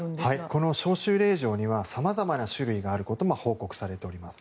この招集令状にはさまざまな種類があることが報告されています。